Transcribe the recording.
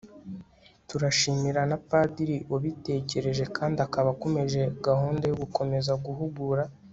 turashimira na padiri wabitekereje kandi akaba akomeje gahunda yo gukomeza guhugura